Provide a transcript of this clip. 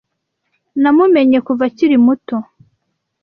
Namumenye kuva akiri muto.